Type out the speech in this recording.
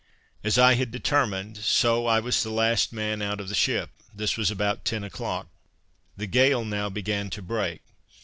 As I had determined, so I was the last man out of the ship; this was about ten o'clock. The gale now began to break.